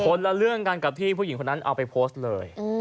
ละเรื่องกันกับที่ผู้หญิงคนนั้นเอาไปโพสต์เลย